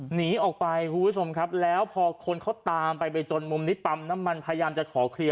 หนีออกไปคุณผู้ชมครับแล้วพอคนเขาตามไปไปจนมุมนี้ปั๊มน้ำมันพยายามจะขอเคลียร์